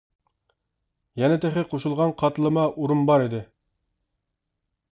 يەنە تېخى قوشۇلغان قاتلىما ئورۇن بار ئىدى.